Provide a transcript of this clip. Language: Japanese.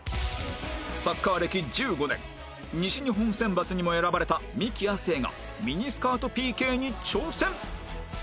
サッカー歴１５年西日本選抜にも選ばれたミキ亜生がミニスカート ＰＫ に挑戦